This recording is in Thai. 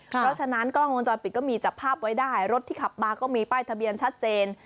เพราะฉะนั้นกล้องวงจรปิดก็มีจับภาพไว้ได้รถที่ขับมาก็มีป้ายทะเบียนชัดเจน